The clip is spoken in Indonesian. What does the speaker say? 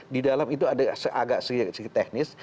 di dalam itu ada agak segi teknis